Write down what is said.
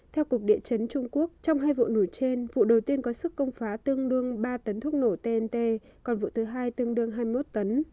theo cục địa chấn trung quốc trong hai vụ nổi trên vụ đầu tiên có sức công phá tương đương ba tấn thuốc nổ tnt còn vụ thứ hai tương đương hai mươi một tấn